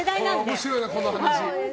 面白いな、この話。